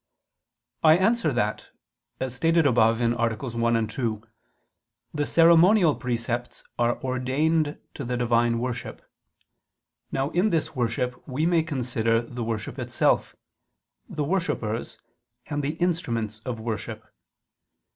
I answer that, As stated above (AA. 1, 2), the ceremonial precepts are ordained to the Divine worship. Now in this worship we may consider the worship itself, the worshippers, and the instruments of worship.